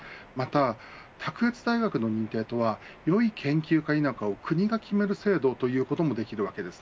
また、卓越大学の認定とはよい研究か否かを国が決める制度ということもできるわけです。